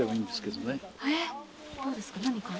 どうですか？